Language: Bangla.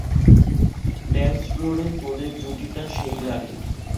ড্যান্স ফ্লোরে তোদের জুটিটা সেই লাগে।